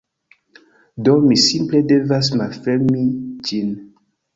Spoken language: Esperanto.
Do, mi simple devas malfermi ĝin